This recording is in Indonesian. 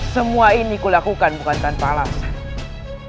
semua ini kulakukan bukan tanpa alasan